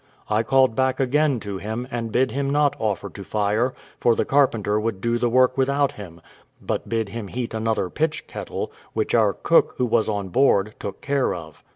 I called back again to him, and bid him not offer to fire, for the carpenter would do the work without him; but bid him heat another pitch kettle, which our cook, who was on broad, took care of.